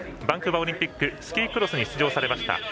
バンクーバーオリンピックスキークロスに出場されました。